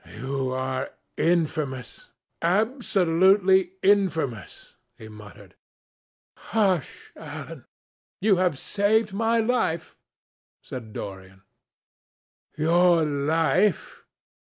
"You are infamous, absolutely infamous!" he muttered. "Hush, Alan. You have saved my life," said Dorian. "Your life?